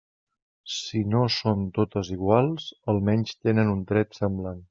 Si no són totes iguals, almenys tenen un tret semblant.